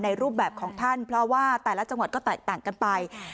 รูปแบบของท่านเพราะว่าแต่ละจังหวัดก็แตกต่างกันไป